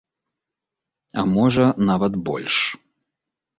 А можа, нават больш.